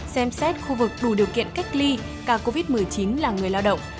xem xét khu vực đủ điều kiện cách ly ca covid một mươi chín là người lao động